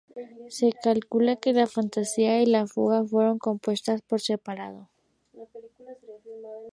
Se calcula que la fantasía y la fuga fueron compuestas por separado.